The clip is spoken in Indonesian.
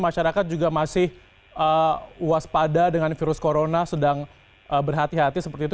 masyarakat juga masih waspada dengan virus corona sedang berhati hati seperti itu